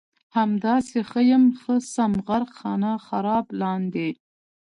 همداسې ښه یم ښه سم غرق خانه خراب لاندې